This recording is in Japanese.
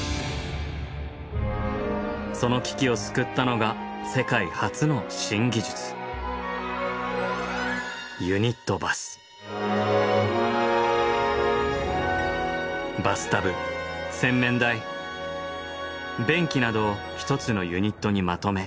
その危機を救ったのがバスタブ洗面台便器などを１つのユニットにまとめ